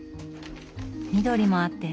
緑もあって。